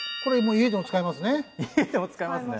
家でも使えますね。